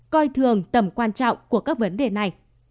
coi thường tầm quan trọng của các vấn đề này